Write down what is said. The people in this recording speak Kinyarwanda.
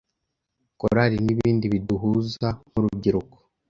korali n’ibindi biduhuza nk’urubyiruko